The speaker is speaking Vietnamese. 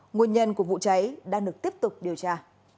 nguồn nhân của vụ cháy đang được tiếp tục điều tra